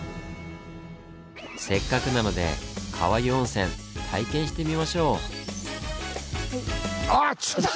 せっかくなので川湯温泉体験してみましょう！